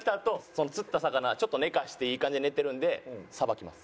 その釣った魚ちょっと寝かしていい感じで寝てるんでさばきます。